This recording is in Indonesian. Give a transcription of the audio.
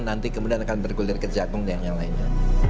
nanti kemudian akan bergulir ke jagung dan yang lainnya